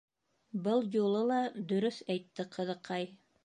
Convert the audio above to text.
Был юлы ла дөрөҫ әйтте ҡыҙыҡай.